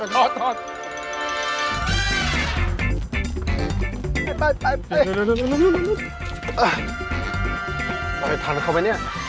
เราไปทันเขาไหมเนี่ย